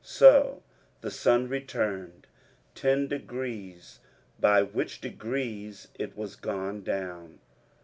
So the sun returned ten degrees, by which degrees it was gone down.